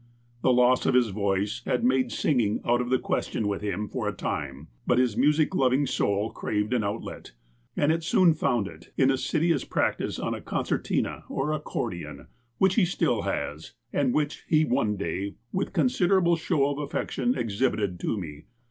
The loss of his voice had made singing out of the ques tion with him for a time, but his music loving soul craved an outlet, and it soon found it in assiduous prac tice on a concertina or accordion, which he still has, and which he one day, with considerable show of affection, ex hibited to me.